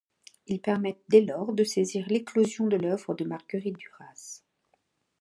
Ils permettent dès lors de saisir l'éclosion de l'œuvre de Marguerite Duras.